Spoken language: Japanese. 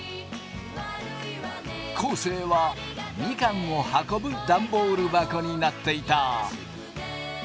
昴生はみかんを運ぶダンボール箱になっていた。